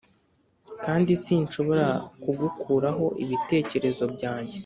kandi sinshobora kugukuraho ibitekerezo byanjye